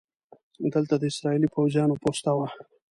دلته د اسرائیلي پوځیانو پوسته وه.